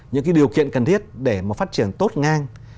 những điều kiện cần thiết để phát triển tốt ngang